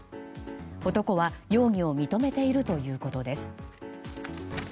男は容疑を認めているということです。